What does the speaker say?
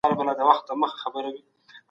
حضوري زده کړه د ډلې کار ته وده ورکوي.